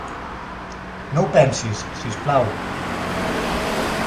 No ho pensis, si us plau.